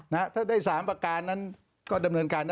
ถ้าได้สามประการนั้นก็ต้องดำเนินการ